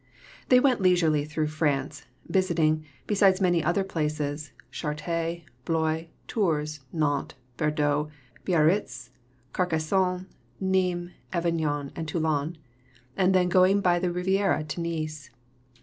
They went leisurely through France, visiting, besides many other places, Chartres, Blois, Tours, Nantes, Bordeaux, Biarritz, Carcassonne, Nîmes, Avignon, and Toulon, and then going by the Riviera to Nice.